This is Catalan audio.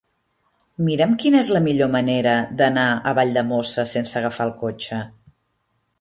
Mira'm quina és la millor manera d'anar a Valldemossa sense agafar el cotxe.